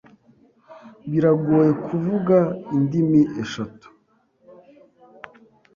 Biragoye kuvuga indimi eshatu.